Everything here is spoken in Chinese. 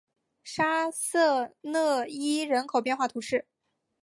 沙瑟讷伊人口变化图示